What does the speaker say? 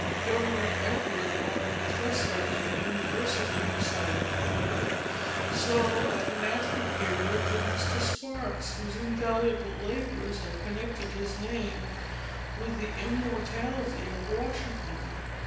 Governor Everett, while a professor in the university, resided there. So at an after period, did Mr. Sparks, whose invaluable labors have connected his name with the immortality of Washington.